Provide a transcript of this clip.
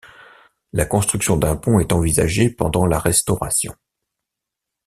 La construction d'un pont est envisagé pendant la Restauration.